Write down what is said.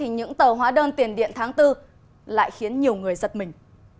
những tờ hóa đơn tiền điện tháng bốn lại khiến nhiều người giật mình